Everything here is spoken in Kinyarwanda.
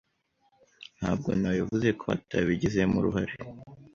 Ntabwo nawevuze ko atabigizemo uruhare.